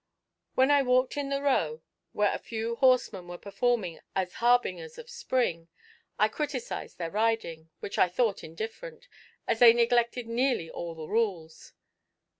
When I walked in the Row, where a few horsemen were performing as harbingers of spring, I criticised their riding, which I thought indifferent, as they neglected nearly all the rules.